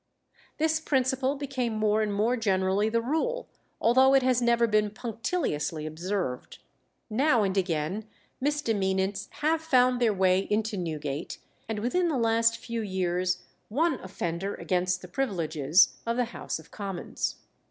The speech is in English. This principle became more and more generally the rule, although it has never been punctiliously observed. Now and again misdemeanants have found their way into Newgate, and within the last few years one offender against the privileges of the House of Commons.